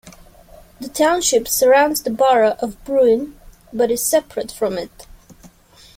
The township surrounds the borough of Bruin but is separate from it.